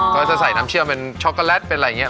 ก็จะใส่น้ำเชื่อมเป็นช็อกโกแลตเป็นอะไรอย่างนี้